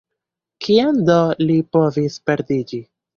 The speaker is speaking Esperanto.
Kien do li povis perdiĝi?